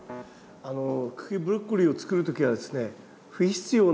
茎ブロッコリーを作る時はですね